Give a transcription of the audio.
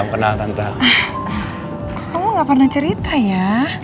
kamu gak pernah cerita ya